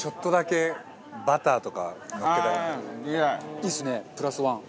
いいですねプラスワン。